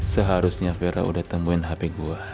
seharusnya vera udah temuin hp gue